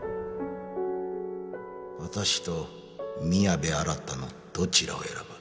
私と宮部新のどちらを選ぶ？